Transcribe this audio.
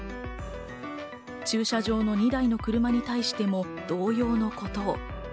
駐車場の２台の車に対しても同様のことを。